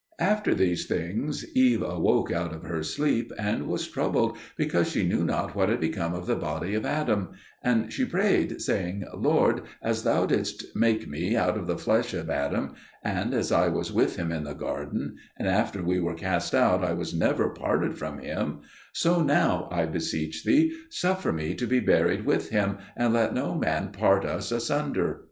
After these things Eve awoke out of her sleep, and was troubled because she knew not what had become of the body of Adam; and she prayed, saying, "Lord, as Thou didst make me out of the flesh of Adam, and as I was with him in the garden, and after we were cast out I was never parted from him, so now, I beseech thee, suffer me to be buried with him, and let no man part us asunder."